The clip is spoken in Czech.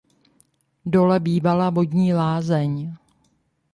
Dole bývala vodní lázeň.